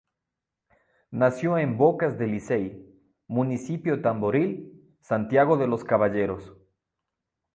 Nació en Bocas de Licey, municipio Tamboril, Santiago de los Caballeros.